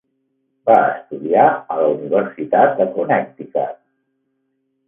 Va estudiar a la universitat de Connecticut.